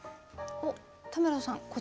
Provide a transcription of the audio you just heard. おっ田村さん